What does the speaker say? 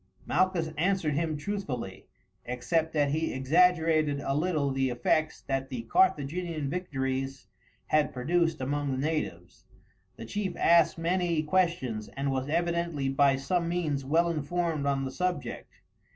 Malchus answered him truthfully, except that he exaggerated a little the effects that the Carthaginian victories had produced among the natives. The chief asked many questions, and was evidently by some means well informed on the subject.